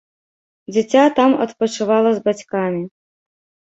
Дзіця там адпачывала з бацькамі.